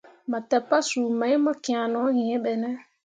Mo te pasuu mai mo kian no yĩĩ ɓe ne.